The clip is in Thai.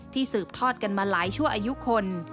สืบทอดกันมาหลายชั่วอายุคน